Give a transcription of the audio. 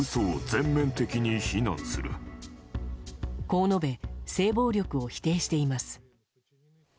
こう述べ性暴力を否定しています。